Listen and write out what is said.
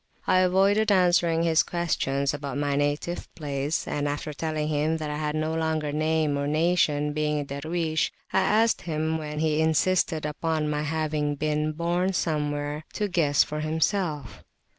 I avoided answering his question about my native place, and after telling him that I had no longer name or nation, being a Darwaysh, I asked him, when he insisted upon my having been born somewhere, to guess for himself.